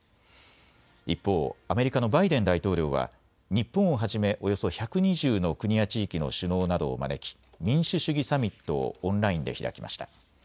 一方、アメリカのバイデン大統領は日本をはじめおよそ１２０の国や地域の首脳などを招き民主主義サミットをオンラインで開きました。